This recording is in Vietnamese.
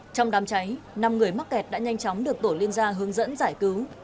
trong đám cháy năm người mắc kẹt đã nhanh chóng được tổ liên gia hướng dẫn giải cứu